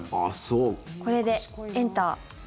これで、エンター。